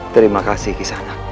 terima kasih kisana